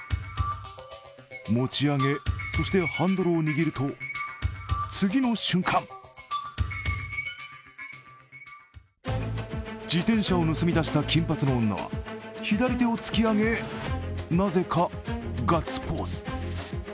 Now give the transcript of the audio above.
持ち上げ、そしてハンドルを握ると、次の瞬間自転車を盗み出した金髪の女は、左手を突き上げ、なぜかガッツポーズ。